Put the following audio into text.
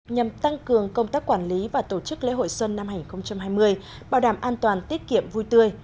nhằm tăng cường công tác quản lý và tổ chức lễ hội xuân năm hai nghìn hai mươi bảo đảm an toàn tiết kiệm vui tươi